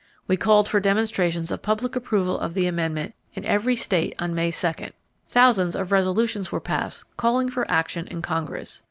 We called for demonstrations. of public approval of the amendment in every state on May 2. Thousands of resolutions were passed calling for action in Congress.